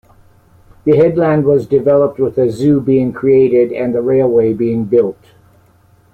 The headland was developed, with a zoo being created and the railway being built.